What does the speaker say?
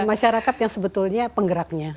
masyarakat yang sebetulnya penggeraknya